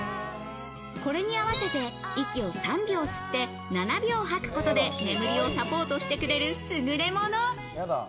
これに合わせて息を３秒吸って７秒はくことで、眠りをサポートしてくれるすぐれもの。